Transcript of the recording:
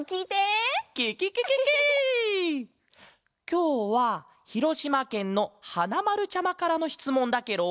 きょうはひろしまけんのはなまるちゃまからのしつもんだケロ。